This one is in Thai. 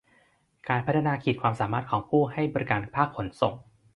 การพัฒนาขีดความสามารถของผู้ให้บริการภาคขนส่ง